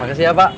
makasih ya pak